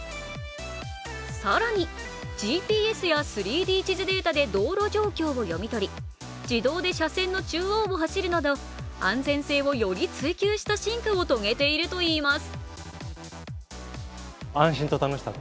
更にＧＰＳや３Ｄ地図データで道路状況を読み取り、自動で車線の中央を走るなど安全性をより追求した進化を遂げているといいます。